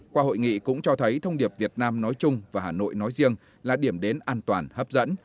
qua hội nghị cũng cho thấy thông điệp việt nam nói chung và hà nội nói riêng là điểm đến an toàn hấp dẫn